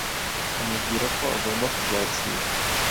amubwira ko agomba kubyakira